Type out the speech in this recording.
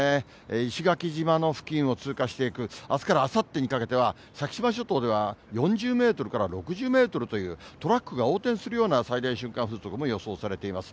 石垣島の付近を通過していく、あすからあさってにかけては、先島諸島では４０メートルから６０メートルという、トラックが横転するような最大瞬間風速も予想されています。